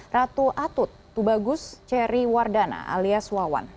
ratu atut tubagus ceri wardana alias wawan